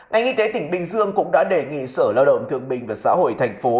ngành y tế tỉnh bình dương cũng đã đề nghị sở lao động thương bình và xã hội thành phố